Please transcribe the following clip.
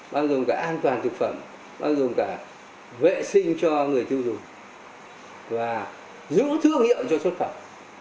bao gồm cả an toàn thực phẩm bao gồm cả vệ sinh cho người tiêu dùng và giữ thương hiệu cho xuất phẩm